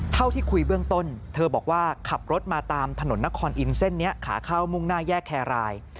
เท่าที่คุยเบื้องต้นเธอบอกว่าขับรถมาตามถนนนครอินเส้นนี้ขาเข้ามุ่งหน้าแยกแครราย